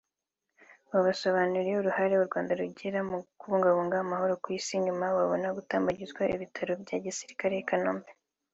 wabasobanuriye uruhare u Rwanda rugira mu kubungabunga amahoro ku Isi nyuma babona gutambagizwa ibitaro bya gisirikare i Kanombe